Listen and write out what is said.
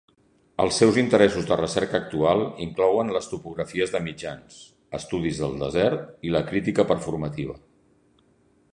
Els seus interessos de recerca actuals inclouen les topografies de mitjans, estudis del desert i la crítica performativa.